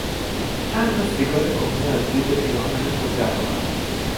چند تا سیگار کهنه از جیب پیراهن خود در آورد.